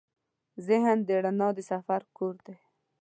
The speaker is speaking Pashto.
ذهن د رڼا د سفر کور دی.